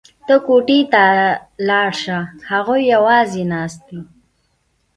ته کوټې ته لاړه شه هغوی یوازې ناست دي